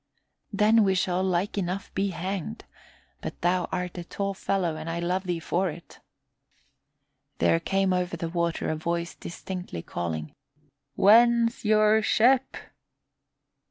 "Then we shall like enough be hanged; but thou art a tall fellow and I love thee for it." There came over the water a voice distinctly calling, "Whence your ship?"